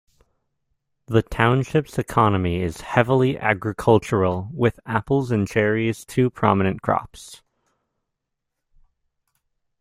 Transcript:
The township's economy is heavily agricultural, with apples and cherries two prominent crops.